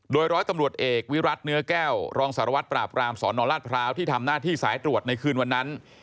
โดยร้อยตำรวจเอกวิรัติเนื้อแก้วรองสารวัตรปราบรามสนราชพร้าวที่ทำหน้าที่สายตรวจในคืนวันนั้น